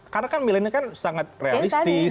karena kan milenial sangat realistis